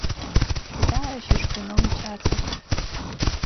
Сыда ащ ышхынэу икӏасэр?